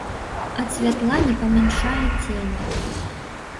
Ад святла не паменшалі цені.